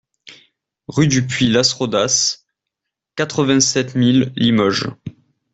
Rue du Puy Las Rodas, quatre-vingt-sept mille Limoges